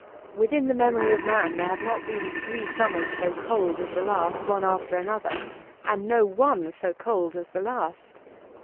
Within the memory of man there have not been three summers so cold as the last, one after another; and no one so cold as the last.